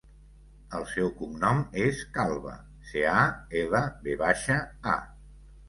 El seu cognom és Calva: ce, a, ela, ve baixa, a.